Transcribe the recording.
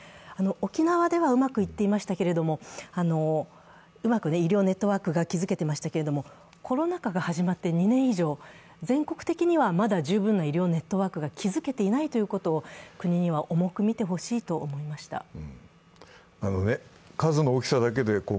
沖縄ではうまく医療ネットワークが築けていましたけどコロナ禍が始まって２年以上全国的にはまだ十分な医療ネットワークが築けていないということを国には重くみてほしいと思いました。